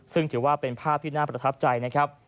ซึ่งถือว่าเป็นภาพที่น่าประทับใจนะครับ